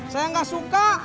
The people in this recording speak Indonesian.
saya gak suka